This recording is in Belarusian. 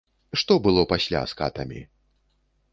Што было пасля з катамі?